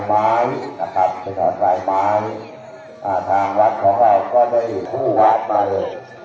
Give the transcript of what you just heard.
โถยากลับมารับเวลาเห็นเธอ